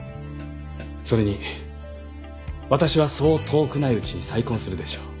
それに私はそう遠くないうちに再婚するでしょう。